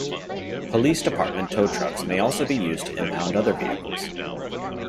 Police department tow trucks may also be used to impound other vehicles.